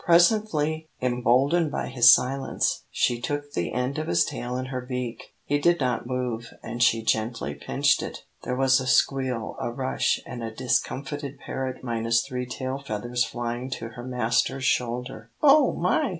Presently, emboldened by his silence, she took the end of his tail in her beak. He did not move, and she gently pinched it. There was a squeal, a rush, and a discomfited parrot minus three tail feathers flying to her master's shoulder. "Oh, my!"